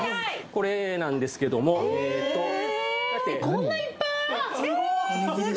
これなんですけどもえとこんないっぱいえすごい！